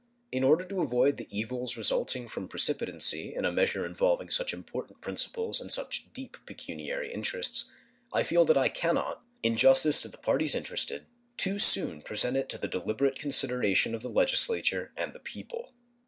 In order to avoid the evils resulting from precipitancy in a measure involving such important principles and such deep pecuniary interests, I feel that I can not, in justice to the parties interested, too soon present it to the deliberate consideration of the Legislature and the people.